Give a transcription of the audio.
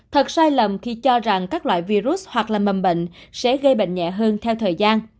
thật sai lầm khi cho rằng các loại virus hoặc là mầm bệnh sẽ gây bệnh nhẹ hơn theo thời gian